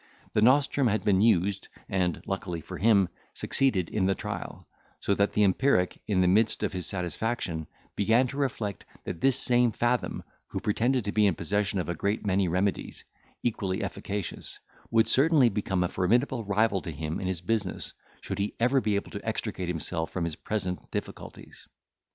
The nostrum had been used, and, luckily for him, succeeded in the trial; so that the empiric, in the midst of his satisfaction, began to reflect, that this same Fathom, who pretended to be in possession of a great many remedies, equally efficacious, would certainly become a formidable rival to him in his business, should he ever be able to extricate himself from his present difficulties.